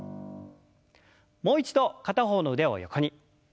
もう一度片方の腕を横に。